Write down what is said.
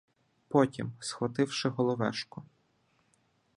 Потім, схвативши головешку